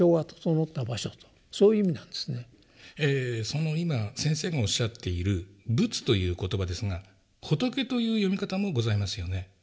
その先生がおっしゃっている「仏」という言葉ですが仏という読み方もございますよね。